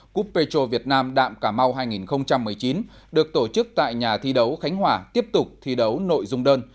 cúp petro việt nam đạm cà mau hai nghìn một mươi chín được tổ chức tại nhà thi đấu khánh hòa tiếp tục thi đấu nội dung đơn